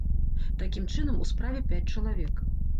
Такім чынам, у справе пяць чалавек.